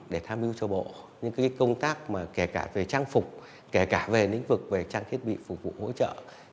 để tham mưu cho bộ những công tác kể cả về trang phục kể cả về lĩnh vực về trang thiết bị phục vụ hỗ trợ